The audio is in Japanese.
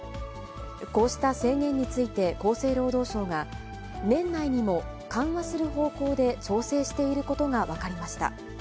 こうした制限について厚生労働省が、年内にも緩和する方向で調整していることが分かりました。